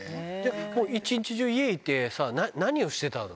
一日中、家いて何をしてたの？